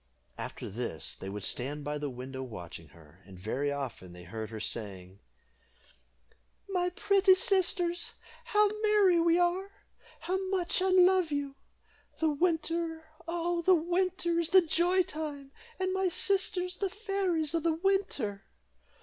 After this they would stand by the window watching her; and very often they heard her saying "My pretty sisters, how merry we are how much I love you! The winter, oh! the winter, is the joy time, and my sisters the fairies of the winter."